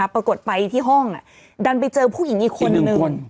ปรากฏไปที่ห้องดันไปเจอผู้หญิงอีกคนนึง